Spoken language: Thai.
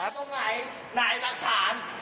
ข้าวของไหนไหนรักฐาน